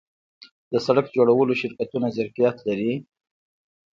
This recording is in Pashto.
د سرک جوړولو شرکتونه ظرفیت لري؟